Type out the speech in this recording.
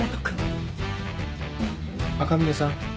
赤嶺さん